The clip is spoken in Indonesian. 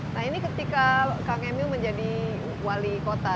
nah ini ketika kang emil menjadi wali kota